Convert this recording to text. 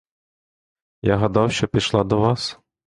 Я гадав, що пішла до вас.